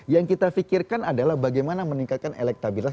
yang kita pikirkan adalah bagaimana meningkatkan elektabilitas